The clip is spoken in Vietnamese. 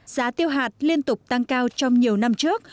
giá tiêu hạt liên tục tăng cao trong nhiều năm trước